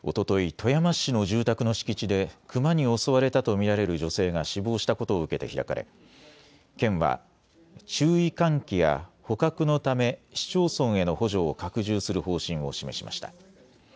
富山市の住宅の敷地でクマに襲われたと見られる女性が死亡したことを受けて開かれ県は注意喚起や捕獲のため市町村への補助を拡充する方針を示しました。